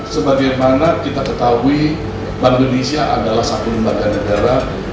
sebagaimana kita ketahui bank indonesia adalah satu lembaga negara